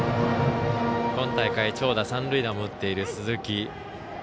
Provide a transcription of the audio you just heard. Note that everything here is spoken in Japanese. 今大会長打三塁打も打っている鈴木。